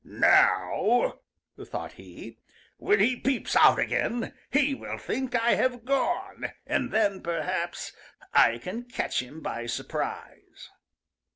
"Now," thought he, "when he peeps out again, he will think I have gone, and then perhaps I can catch him by surprise."